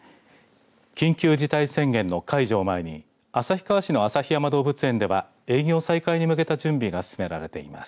緊急事態宣言の解除を前に旭川市の旭山動物園では営業再開に向けた準備が進められています。